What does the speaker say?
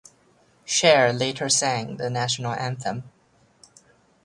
Cher later sang the national anthem.